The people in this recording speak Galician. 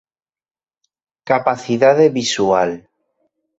Capacidade visual.